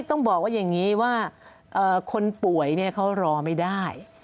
ต้องบอกว่าอย่างนี้ว่าคนป่วยเขารอไม่ได้